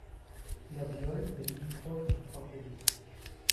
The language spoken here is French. La Biolle est limitrophe de trois communes.